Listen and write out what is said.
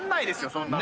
そんなの。